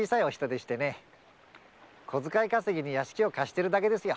小遣い稼ぎに屋敷を貸してるだけですよ。